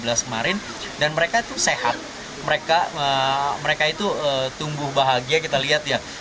pada tahun dua ribu tujuh belas kemarin dan mereka itu sehat mereka mereka itu tumbuh bahagia kita lihat ya